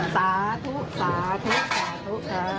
สาธุสาธุสาธุสา